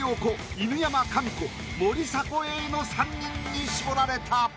犬山紙子森迫永依の３人に絞られた。